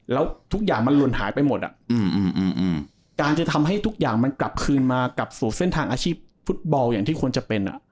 แล้วทุกอย่างมันหล่นหายไปหมดการจะทำให้ทุกอย่างมันกลับคืนมากลับสู่เส้นทางอาชีพฟุตบอลอย่างที่ควรจะเป็น